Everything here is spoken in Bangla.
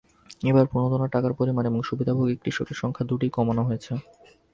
এবার প্রণোদনার টাকার পরিমাণ এবং সুবিধাভোগী কৃষকের সংখ্যা দুটিই কমানো হয়েছে।